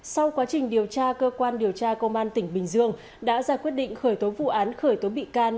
sau quá trình điều tra cơ quan điều tra công an tỉnh bình dương đã ra quyết định khởi tố vụ án khởi tố bị can